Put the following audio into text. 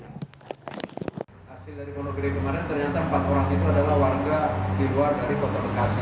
hasil dari ponogeri kemarin ternyata empat orang itu adalah warga di luar dari kota bekasi